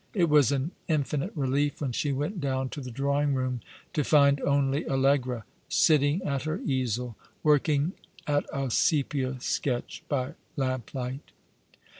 It was an infinite relief v/hen she went down to the drawing room to find only AUegra sitting at her easel, working at a sepia sketch by lamplight.